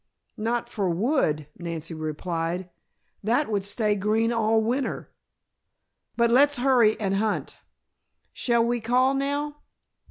"Not for wood," Nancy replied. "That would stay green all winter. But let's hurry and hunt. Shall we call now?"